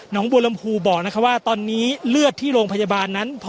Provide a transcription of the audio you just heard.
น้องบูรรมภูบอกนะคะว่าตอนนี้เลือดที่โรงพยาบาลนั้น